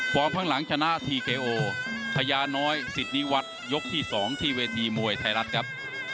พร้อมข้างหลังชนะทีเคโอทะยาน้อยศิษย์นิวัตรยกที่สองที่เวทีมวยไทยรัฐครับ